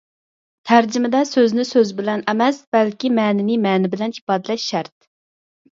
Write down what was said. تەرجىمىدە «سۆزنى سۆز بىلەن» ئەمەس، بەلكى «مەنىنى مەنە بىلەن» ئىپادىلەش شەرت.